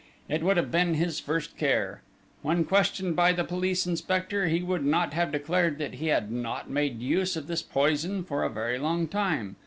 It would have been his first care! When questioned by the police inspector, he would not have declared that he had not made use of this poison for a very long time!